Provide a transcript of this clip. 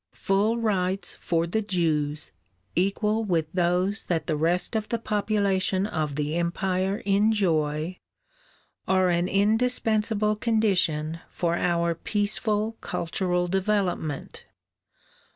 Full rights for the Jews, equal with those that the rest of the population of the Empire enjoy, are an indispensable condition for our peaceful cultural development.